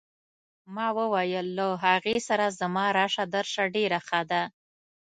ما وویل له هغې سره زما راشه درشه ډېره ښه ده.